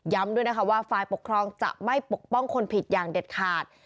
ด้วยนะคะว่าฝ่ายปกครองจะไม่ปกป้องคนผิดอย่างเด็ดขาด